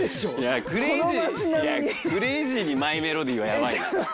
クレイジーにマイメロディーはヤバいよ。